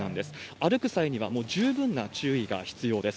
歩く際には十分な注意が必要です。